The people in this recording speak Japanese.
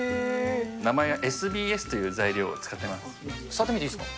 名前がＳＢＳという材料を使って触ってみていいですか。